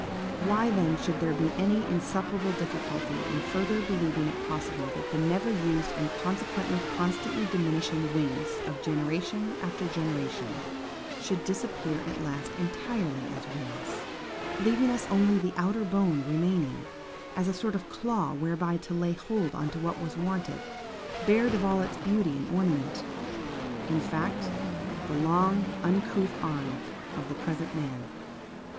Why then should there be any insuperable difficulty in further believing it possible that the never used and consequently constantly diminishing wings of generation after generation, should disappear at last entirely as wings, leaving only the outer bone remaining, as a sort of claw whereby to lay hold on what was wanted–bared of all its beauty and ornament,–in fact, the long uncouth arm of the present man?